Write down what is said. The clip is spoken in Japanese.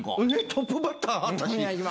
トップバッター⁉私。